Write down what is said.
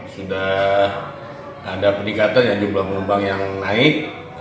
sudah ada peningkatan ya jumlah penumpang yang naik